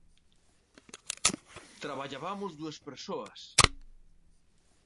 Traballabamos dúas persoas.